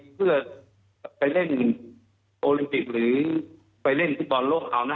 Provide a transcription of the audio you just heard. เพื่อไปเล่นโอลิมปิกหรือไปเล่นฟุตบอลโลกเอานะ